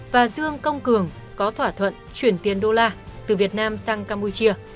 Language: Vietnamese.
và dương công cường có thỏa thuận chuyển tiền đô la từ việt nam sang campuchia